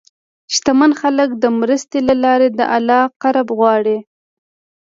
شتمن خلک د مرستې له لارې د الله قرب غواړي.